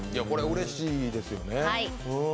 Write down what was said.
これうれしいですよね。